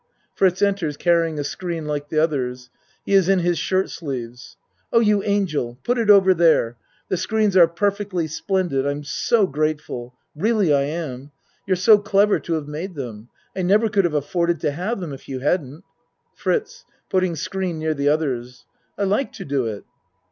(Fritz enters carrying a screen like the others. He is in his shirt sleeves.) Oh, you angel! Put it over there. The screens are perfectly splendid. I'm so grateful. Really I am. You've so clever to have made them. I never could have afforded to have them if you hadn't FRITZ (Putting screen near the others.) I like to do it.